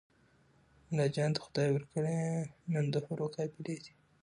ملاجان ته خدای ورکړي نن د حورو قافلې دي